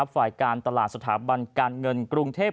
ฝ่ายการตลาดสถาบันการเงินกรุงเทพ